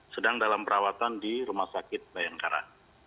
sedang dalam perawatan di rumah sakit bayangkara